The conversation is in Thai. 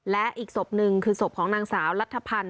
และอีกศพหนึ่งคือศพของนางสาวรัฐพันธ